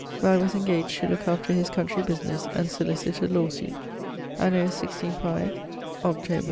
Where I was engaged to looke after his country businesse and solicite a lawe suite. Anno 165 , Octob.